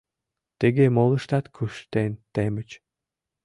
Тыге молыштат куштен темыч.